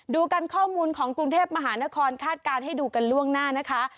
ดูกันข้อมูลของกรุงเทพมหานครคาดการณ์ให้ดูกันล่วงหน้านะคะ